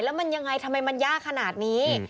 แล้วมันยังไงทำไมมันยากขนาดนี้